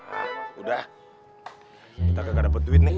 hah udah kita gak dapet duit nih